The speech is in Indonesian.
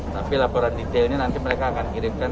tapi laporan detail ini nanti mereka akan kirimkan